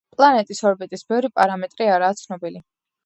პლანეტის ორბიტის ბევრი პარამეტრი არაა ცნობილი.